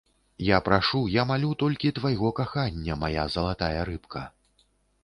Я прашу, я малю толькі твайго кахання, мая залатая рыбка.